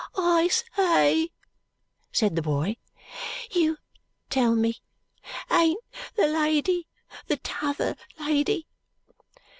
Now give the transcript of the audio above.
"I say!" said the boy. "YOU tell me. Ain't the lady the t'other lady?"